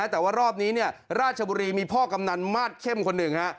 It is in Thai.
แต่ว่ารอบนี้ราชบุรีมีพ่อกำนันมาสเข้มคนหนึ่ง